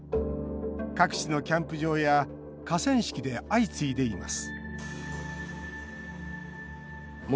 各地のキャンプ場や河川敷で相次いでいます